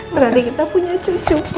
berani kita punya cucu pak